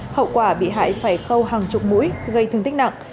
hậu quả bị hại phải khâu hàng chục mũi gây thương tích nặng